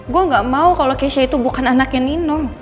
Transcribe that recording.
gue gak mau kalau keisha itu bukan anaknya nino